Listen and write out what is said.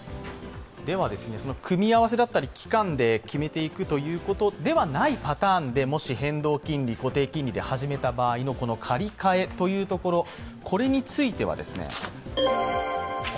組み合わせだったり期間で決めていくということではないパターンでもし変動金利、固定金利で始めた場合の借り換えというところです。